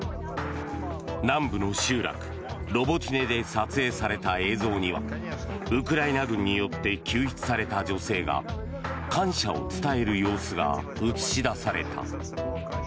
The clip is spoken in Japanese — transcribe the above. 南部の集落ロボティネで撮影された映像にはウクライナ軍によって救出された女性が感謝を伝える様子が映し出された。